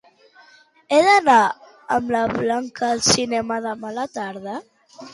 He d'anar amb la Blanca al cinema demà a la tarda?